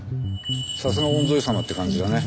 さすが御曹司様って感じだね。